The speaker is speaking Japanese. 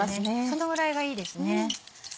そのぐらいがいいですね。